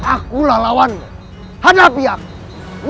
akulah lawan hadapi aku